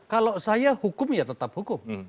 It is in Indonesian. kalau saya hukum ya tetap hukum